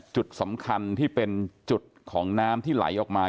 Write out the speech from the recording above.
จุดสำคัญที่เป็นจุดของน้ำที่ไหลออกมา